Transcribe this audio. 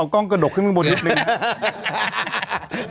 กล้องกระดกขึ้นข้างบนนิดนึง